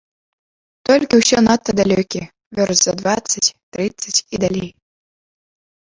Толькі ўсё надта далёкія, вёрст за дваццаць, трыццаць і далей.